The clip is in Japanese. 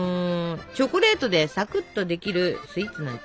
チョコレートでさくっとできるスイーツなんてある？